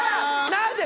何で！